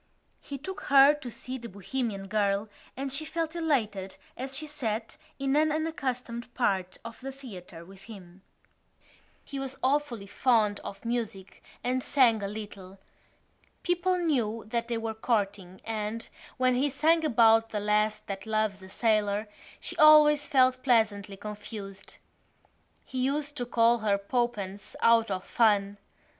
He took her to see The Bohemian Girl and she felt elated as she sat in an unaccustomed part of the theatre with him. He was awfully fond of music and sang a little. People knew that they were courting and, when he sang about the lass that loves a sailor, she always felt pleasantly confused. He used to call her Poppens out of fun.